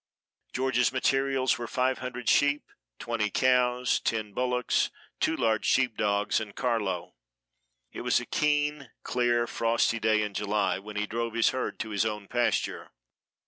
George's materials were five hundred sheep, twenty cows, ten bullocks, two large sheep dogs and Carlo. It was a keen clear, frosty day in July when he drove his herd to his own pasture.